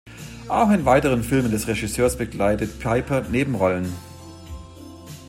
Auch in weiteren Filmen des Regisseurs bekleidet Piper Nebenrollen.